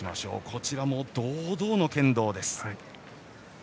こちらも堂々の剣道です。